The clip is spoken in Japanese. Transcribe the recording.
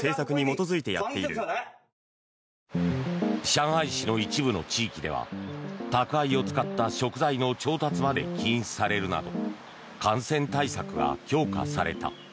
上海市の一部の地域では宅配を使った食材の調達まで禁止されるなど感染対策が強化された。